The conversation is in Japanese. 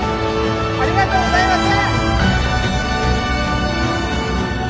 ありがとうございます！